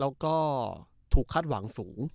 แล้วก็ถูกคาดหวังสูง